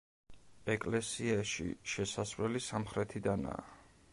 ეკლესიაში შესავლელი სამხრეთიდანაა.